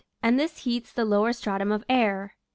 and this heats the lower stratum of air.